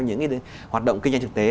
những hoạt động kinh doanh thực tế